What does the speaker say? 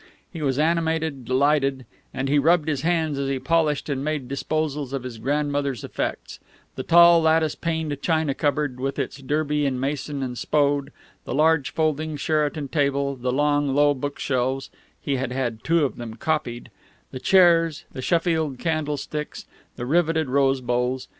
He was animated, delighted; and he rubbed his hands as he polished and made disposals of his grandmother's effects the tall lattice paned china cupboard with its Derby and Mason and Spode, the large folding Sheraton table, the long, low bookshelves (he had had two of them "copied"), the chairs, the Sheffield candlesticks, the riveted rose bowls.